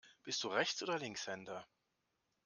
Bist du Rechts- oder Linkshänder?